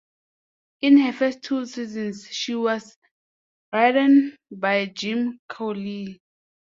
In her first two seasons she was ridden by Jim Crowley.